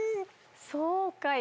そうかい。